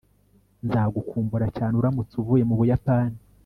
nzagukumbura cyane uramutse uvuye mu buyapani